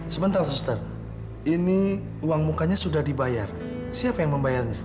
sementara suster ini uang mukanya sudah dibayar siapa yang membayarnya